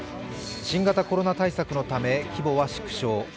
新型コロナ対策のため規模は縮小。